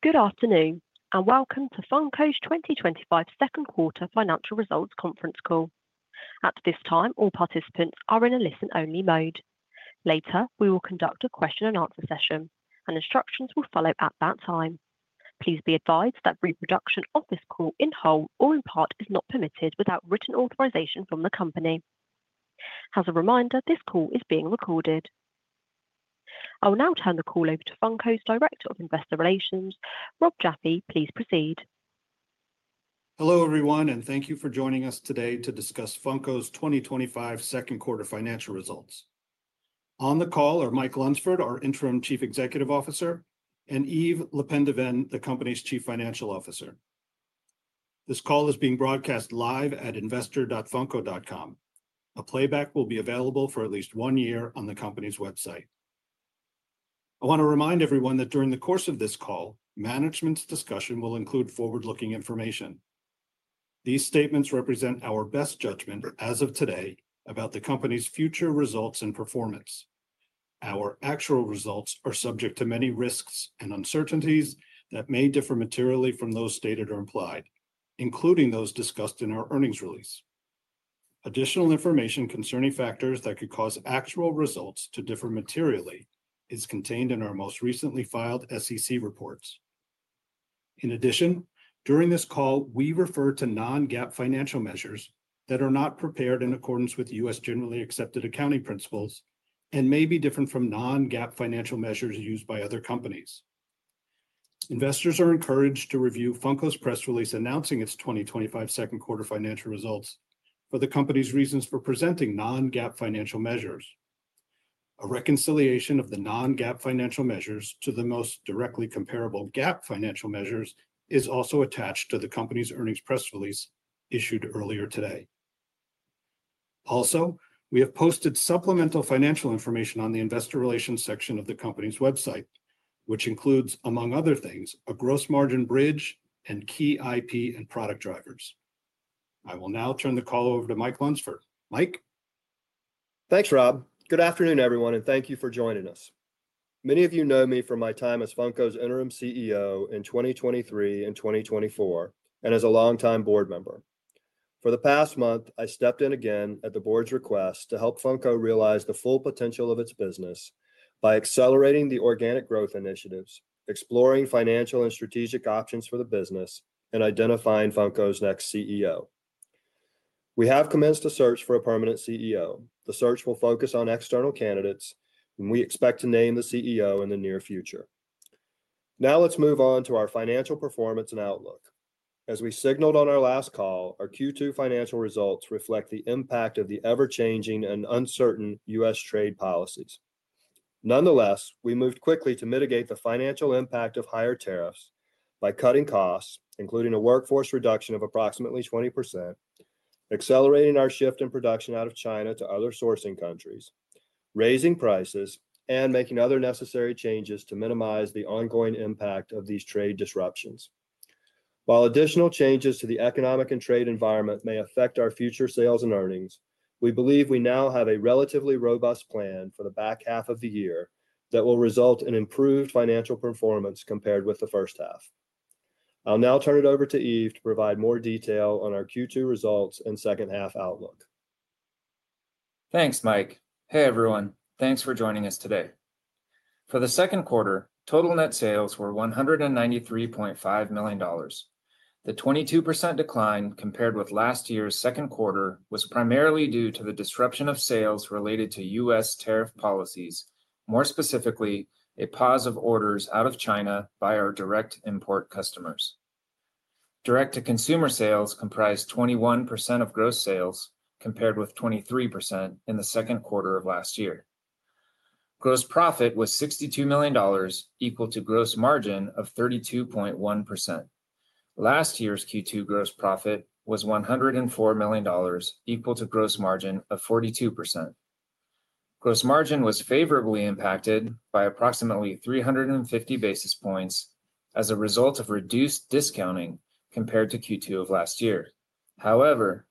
Good afternoon and welcome to Funko's 2025 Second Quarter Financial Results Conference Call. At this time, all participants are in a listen-only mode. Later, we will conduct a question-and-answer session, and instructions will follow at that time. Please be advised that reproduction of this call in whole or in part is not permitted without written authorization from the company. As a reminder, this call is being recorded. I will now turn the call over to Funko's Director of Investor Relations, Rob Jaffe. Please proceed. Hello, everyone, and thank you for joining us today to discuss Funko's 2025 second quarter financial results. On the call are Mike Lunsford, our Interim Chief Executive Officer, and Yves LePendeven, the company's Chief Financial Officer. This call is being broadcast live at investor.funko.com. A playback will be available for at least one year on the company's website. I want to remind everyone that during the course of this call, management's discussion will include forward-looking information. These statements represent our best judgment as of today about the company's future results and performance. Our actual results are subject to many risks and uncertainties that may differ materially from those stated or implied, including those discussed in our earnings release. Additional information concerning factors that could cause actual results to differ materially is contained in our most recently filed SEC reports. In addition, during this call, we refer to non-GAAP financial measures that are not prepared in accordance with U.S. generally accepted accounting principles and may be different from non-GAAP financial measures used by other companies. Investors are encouraged to review Funko's press release announcing its 2025 second quarter financial results for the company's reasons for presenting non-GAAP financial measures. A reconciliation of the non-GAAP financial measures to the most directly comparable GAAP financial measures is also attached to the company's earnings press release issued earlier today. Also, we have posted supplemental financial information on the Investor Relations section of the company's website, which includes, among other things, a gross margin bridge and key IP and product drivers. I will now turn the call over to Mike Lunsford. Mike? Thanks, Rob. Good afternoon, everyone, and thank you for joining us. Many of you know me from my time as Funko's Interim CEO in 2023 and 2024, and as a longtime Board member. For the past month, I stepped in again at the Board's request to help Funko realize the full potential of its business by accelerating the organic growth initiatives, exploring financial and strategic options for the business, and identifying Funko's next CEO. We have commenced a search for a permanent CEO. The search will focus on external candidates, and we expect to name the CEO in the near future. Now let's move on to our financial performance and outlook. As we signaled on our last call, our Q2 financial results reflect the impact of the ever-changing and uncertain U.S. trade policies. Nonetheless, we moved quickly to mitigate the financial impact of higher tariffs by cutting costs, including a workforce reduction of approximately 20%, accelerating our shift in production out of China to other sourcing countries, raising prices, and making other necessary changes to minimize the ongoing impact of these trade disruptions. While additional changes to the economic and trade environment may affect our future sales and earnings, we believe we now have a relatively robust plan for the back half of the year that will result in improved financial performance compared with the first half. I'll now turn it over to Yves to provide more detail on our Q2 results and second half outlook. Thanks, Mike. Hey, everyone. Thanks for joining us today. For the second quarter, total net sales were $193.5 million. The 22% decline compared with last year's second quarter was primarily due to the disruption of sales related to U.S. tariff policies, more specifically, a pause of orders out of China by our direct import customers. Direct-to-consumer sales comprised 21% of gross sales, compared with 23% in the second quarter of last year. Gross profit was $62 million, equal to gross margin of 32.1%. Last year's Q2 gross profit was $104 million, equal to gross margin of 42%. Gross margin was favorably impacted by approximately 350 basis points as a result of reduced discounting compared to Q2 of last year. However,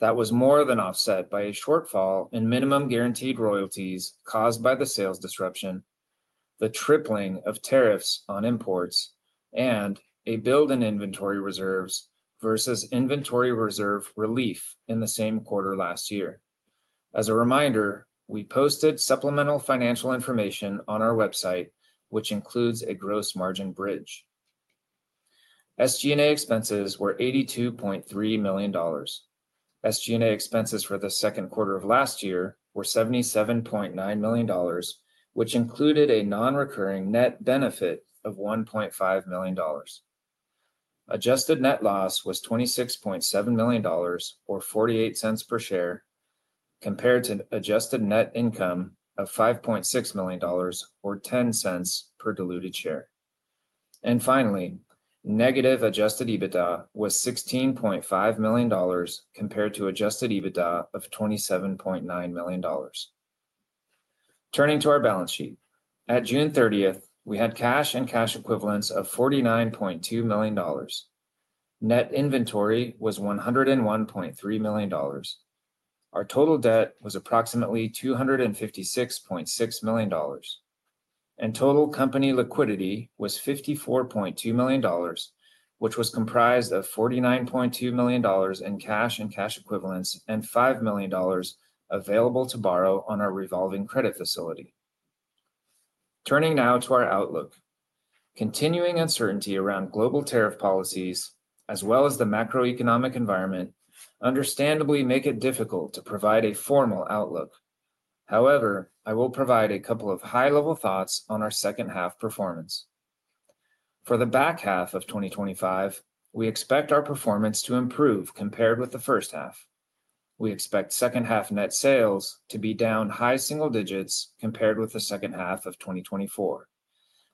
that was more than offset by a shortfall in minimum guaranteed royalties caused by the sales disruption, the tripling of tariffs on imports, and a build in inventory reserves versus inventory reserve relief in the same quarter last year. As a reminder, we posted supplemental financial information on our website, which includes a gross margin bridge. SG&A expenses were $82.3 million. SG&A expenses for the second quarter of last year were $77.9 million, which included a non-recurring net benefit of $1.5 million. Adjusted net loss was $26.7 million or $0.48 per share, compared to adjusted net income of $5.6 million or $0.10 per diluted share. Finally, negative adjusted EBITDA was $16.5 million compared to adjusted EBITDA of $27.9 million. Turning to our balance sheet. At June 30, we had cash and cash equivalents of $49.2 million. Net inventory was $101.3 million. Our total debt was approximately $256.6 million. Total company liquidity was $54.2 million, which was comprised of $49.2 million in cash and cash equivalents and $5 million available to borrow on our revolving credit facility. Turning now to our outlook. Continuing uncertainty around global tariff policies, as well as the macroeconomic environment, understandably make it difficult to provide a formal outlook. However, I will provide a couple of high-level thoughts on our second half performance. For the back half of 2025, we expect our performance to improve compared with the first half. We expect second half net sales to be down high single digits compared with the second half of 2024.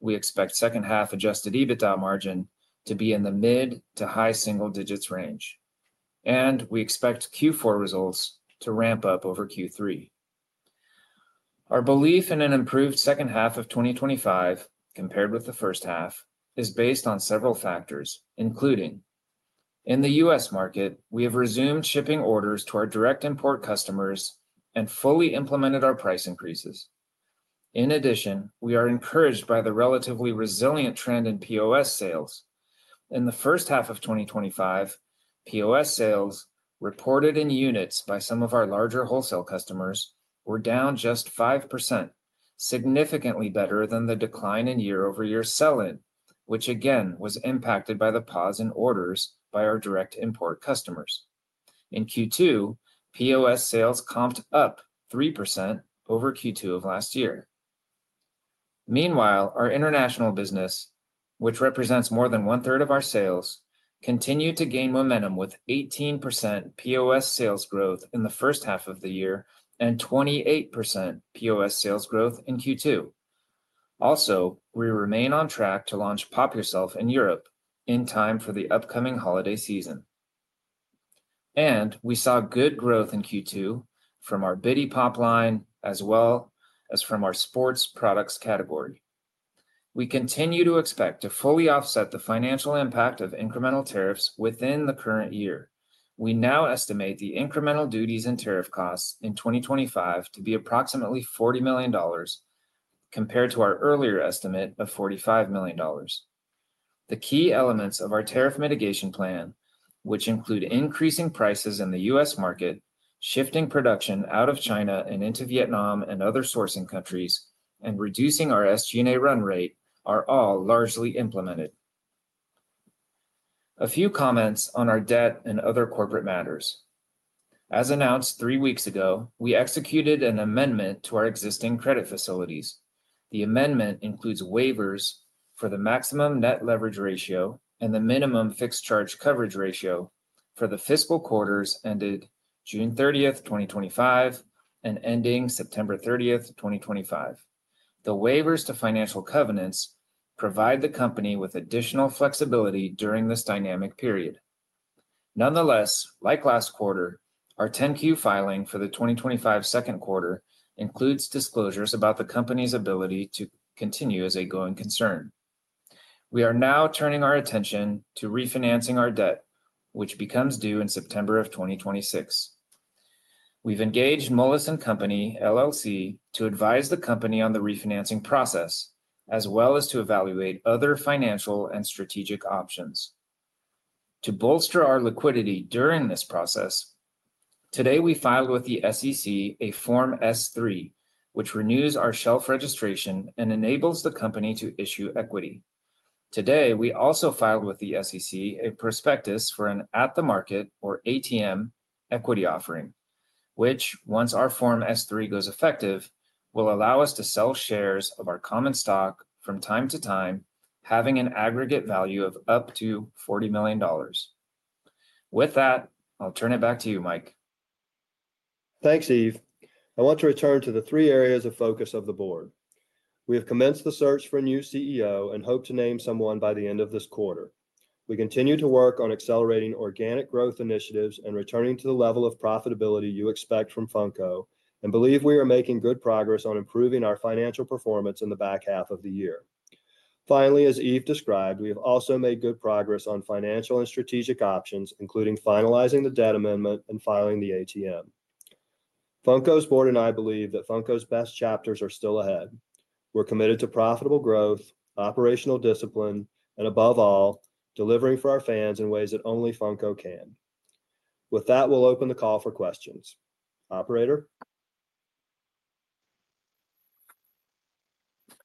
We expect second half adjusted EBITDA margin to be in the mid to high single digits range. We expect Q4 results to ramp up over Q3. Our belief in an improved second half of 2025 compared with the first half is based on several factors, including: in the U.S. market, we have resumed shipping orders to our direct import customers and fully implemented our price increases. In addition, we are encouraged by the relatively resilient trend in POS sales. In the first half of 2025, POS sales reported in units by some of our larger wholesale customers were down just 5%, significantly better than the decline in year-over-year sell-in, which again was impacted by the pause in orders by our direct import customers. In Q2, POS sales comped up 3% over Q2 of last year. Meanwhile, our international business, which represents more than 1/3 of our sales, continued to gain momentum with 18% POS sales growth in the first half of the year and 28% POS sales growth in Q2. We remain on track to launch Pop! Yourself in Europe in time for the upcoming holiday season. We saw good growth in Q2 from our Bitty Pop! line as well as from our sports products category. We continue to expect to fully offset the financial impact of incremental tariffs within the current year. We now estimate the incremental duties and tariff costs in 2025 to be approximately $40 million compared to our earlier estimate of $45 million. The key elements of our tariff mitigation plan, which include increasing prices in the U.S. market, shifting production out of China and into Vietnam and other sourcing countries, and reducing our SG&A run rate, are all largely implemented. A few comments on our debt and other corporate matters. As announced three weeks ago, we executed an amendment to our existing credit facilities. The amendment includes waivers for the maximum net leverage ratio and the minimum fixed charge coverage ratio for the fiscal quarters ended June 30, 2025, and ending September 30, 2025. The waivers to financial covenants provide the company with additional flexibility during this dynamic period. Nonetheless, like last quarter, our 10-Q filing for the 2025 second quarter includes disclosures about the company's ability to continue as a going concern. We are now turning our attention to refinancing our debt, which becomes due in September 2026. We've engaged Moelis & Company LLC to advise the company on the refinancing process, as well as to evaluate other financial and strategic options. To bolster our liquidity during this process, today we filed with the SEC a Form S-3, which renews our shelf registration and enables the company to issue equity. Today we also filed with the SEC a prospectus for an at-the-market or ATM equity offering, which, once our Form S-3 goes effective, will allow us to sell shares of our common stock from time to time, having an aggregate value of up to $40 million. With that, I'll turn it back to you, Mike. Thanks, Yves. I want to return to the three areas of focus of the Board. We have commenced the search for a new CEO and hope to name someone by the end of this quarter. We continue to work on accelerating organic growth initiatives and returning to the level of profitability you expect from Funko, and believe we are making good progress on improving our financial performance in the back half of the year. Finally, as Yves described, we have also made good progress on financial and strategic options, including finalizing the debt amendment and filing the ATM. Funko's Board and I believe that Funko's best chapters are still ahead. We're committed to profitable growth, operational discipline, and above all, delivering for our fans in ways that only Funko can. With that, we'll open the call for questions. Operator?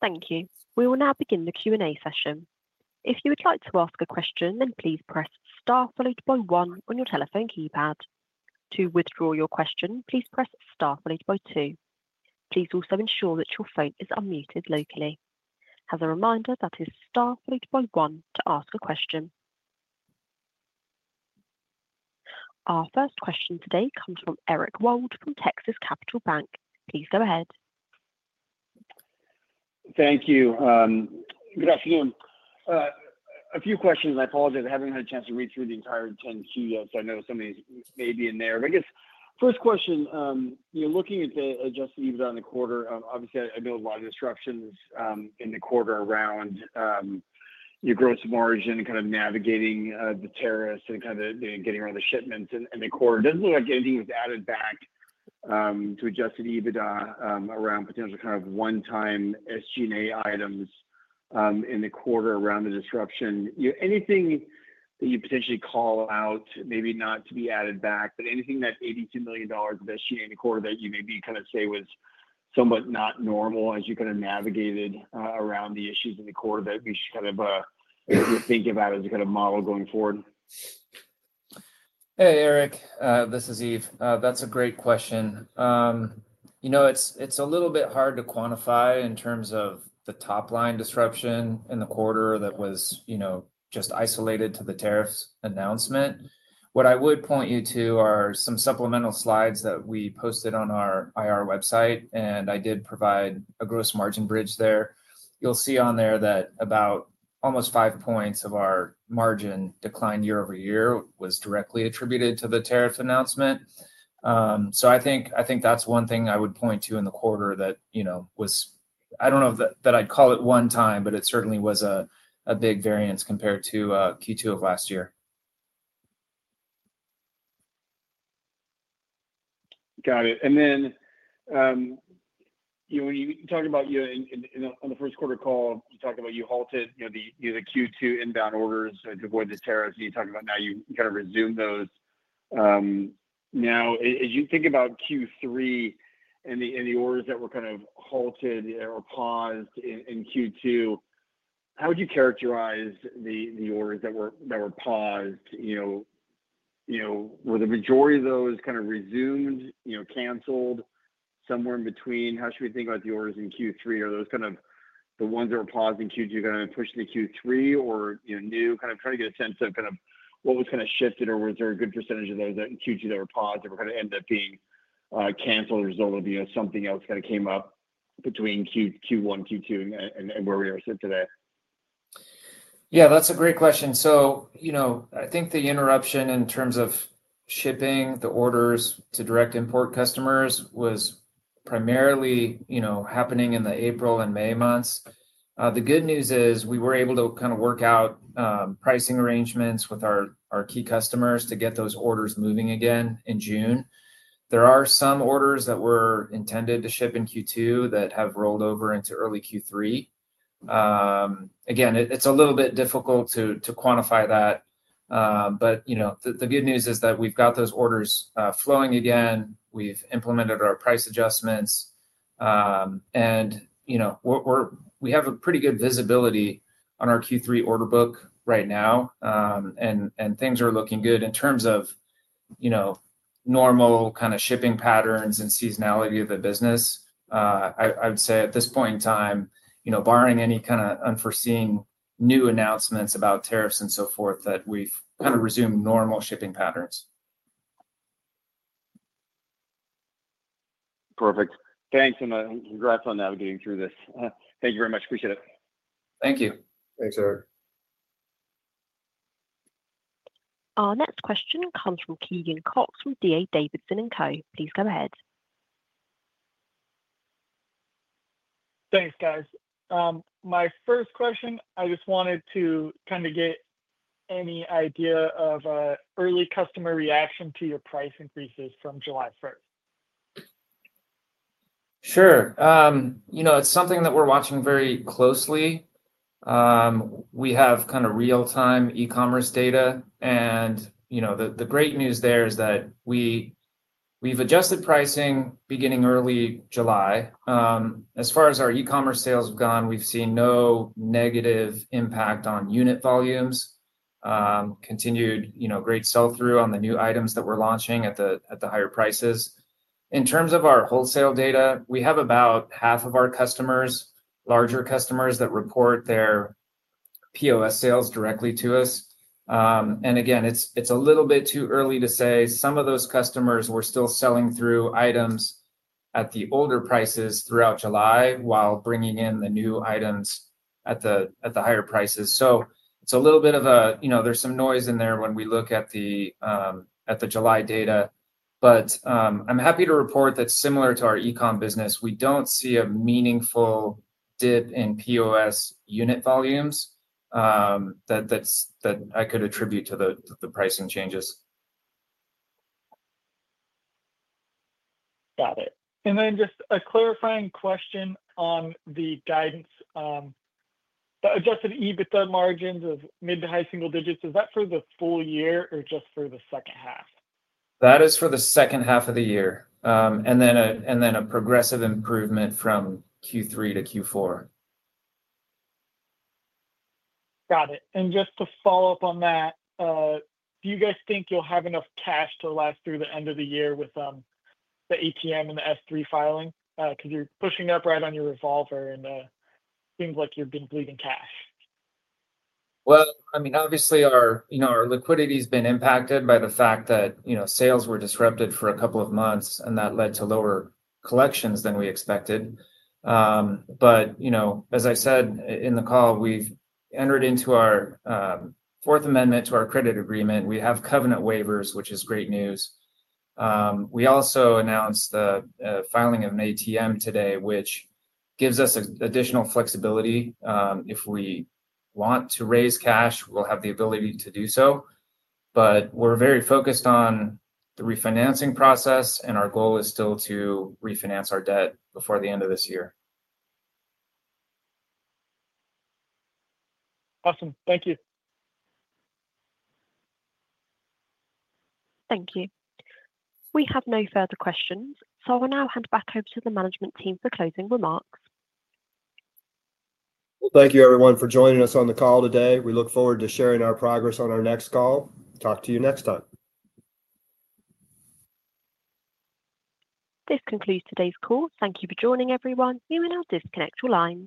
Thank you. We will now begin the Q&A session. If you would like to ask a question, please press star followed by one on your telephone keypad. To withdraw your question, please press star followed by two. Please also ensure that your phone is unmuted locally. As a reminder, that is star followed by one to ask a question. Our first question today comes from Eric Wold from Texas Capital Bank. Please go ahead. Thank you. Good afternoon. A few questions, and I apologize, I haven't had a chance to read through the entire 10-Q yet, so I know some of these may be in there. I guess, first question, looking at the adjusted EBITDA in the quarter, obviously, I know a lot of disruptions in the quarter around your gross margin and kind of navigating the tariffs and kind of getting around the shipments in the quarter. It doesn't look like anything was added back to adjusted EBITDA around potential kind of one-time SG&A items in the quarter around the disruption. Anything that you potentially call out, maybe not to be added back, but anything that $82 million of SG&A in the quarter that you maybe kind of say was somewhat not normal as you kind of navigated around the issues in the quarter that we should kind of think about as a kind of model going forward? Hey, Eric. This is Yves. That's a great question. You know, it's a little bit hard to quantify in terms of the top-line disruption in the quarter that was just isolated to the tariffs announcement. What I would point you to are some supplemental slides that we posted on our IR website, and I did provide a gross margin bridge there. You'll see on there that about almost 5 points of our margin decline year-over-year was directly attributed to the tariff announcement. I think that's one thing I would point to in the quarter that, you know, was, I don't know that I'd call it one time, but it certainly was a big variance compared to Q2 of last year. Got it. When you're talking about, on the first quarter call, you talked about you halted the Q2 inbound orders to avoid the tariffs, and you talked about now you kind of resumed those. As you think about Q3 and the orders that were halted or paused in Q2, how would you characterize the orders that were paused? Were the majority of those resumed, canceled, or somewhere in between? How should we think about the orders in Q3? Are those the ones that were paused in Q2 pushed into Q3, or new? Trying to get a sense of what was shifted, or was there a good percentage of those in Q2 that were paused that ended up being canceled as a result of something else that came up between Q1, Q2, and where we are today? That's a great question. I think the interruption in terms of shipping the orders to direct import customers was primarily happening in the April and May months. The good news is we were able to work out pricing arrangements with our key customers to get those orders moving again in June. There are some orders that were intended to ship in Q2 that have rolled over into early Q3. It's a little bit difficult to quantify that. The good news is that we've got those orders flowing again. We've implemented our price adjustments, and we have pretty good visibility on our Q3 order book right now. Things are looking good in terms of normal shipping patterns and seasonality of the business. I would say at this point in time, barring any kind of unforeseen new announcements about tariffs and so forth, we've resumed normal shipping patterns. Perfect. Thanks, and congrats on navigating through this. Thank you very much. Appreciate it. Thank you. Thanks, Eric. Our next question comes from Keegan Cox from D.A. Davidson & Co. Please go ahead. Thanks, guys. My first question, I just wanted to kind of get any idea of early customer reaction to your price increases from July 1. Sure. It's something that we're watching very closely. We have kind of real-time e-commerce data. The great news there is that we've adjusted pricing beginning early July. As far as our e-commerce sales have gone, we've seen no negative impact on unit volumes. Continued great sell-through on the new items that we're launching at the higher prices. In terms of our wholesale data, we have about half of our customers, larger customers that report their POS sales directly to us. Again, it's a little bit too early to say. Some of those customers were still selling through items at the older prices throughout July while bringing in the new items at the higher prices. There's some noise in there when we look at the July data. I'm happy to report that similar to our e-comm business, we don't see a meaningful dip in POS unit volumes that I could attribute to the pricing changes. Got it. Just a clarifying question on the guidance. The adjusted EBITDA margins of mid to high single digits, is that for the full year or just for the second half? That is for the second half of the year, then a progressive improvement from Q3 to Q4. Got it. Just to follow up on that, do you guys think you'll have enough cash to last through the end of the year with the ATM and the S-3 filing? You're pushing up right on your revolver, and it seems like you've been bleeding cash. Our liquidity has been impacted by the fact that, you know, sales were disrupted for a couple of months, and that led to lower collections than we expected. As I said in the call, we've entered into our Fourth Amendment to our credit agreement. We have covenant waivers, which is great news. We also announced the filing of an ATM today, which gives us additional flexibility. If we want to raise cash, we'll have the ability to do so. We're very focused on the refinancing process, and our goal is still to refinance our debt before the end of this year. Awesome. Thank you. Thank you. We have no further questions, so I will now hand back over to the management team for closing remarks. Thank you, everyone, for joining us on the call today. We look forward to sharing our progress on our next call. Talk to you next time. This concludes today's call. Thank you for joining, everyone. We will now disconnect the lines.